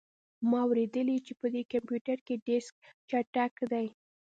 ما اوریدلي چې په دې کمپیوټر کې ډیسک چټک دی